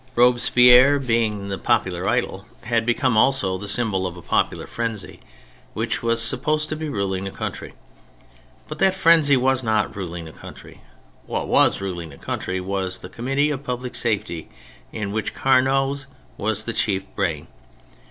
Robespierre being the popular THE CHARACTERS 81 idol, had become also the symbol of a popular frenzy which was supposed to be ruling the country. But that frenzy was not ruling the country. What was ruling the country was the Committee of Public Safety, in which Carnot's was the chief brain.